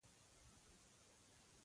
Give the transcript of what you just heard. هلک باادبه دی.